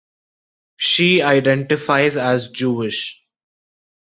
She identifies as Jewish.